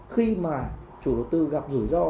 khi mà chủ đầu tư gặp rủi ro